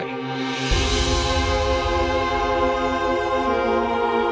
kalo bapak mau ngelakuin bapaknya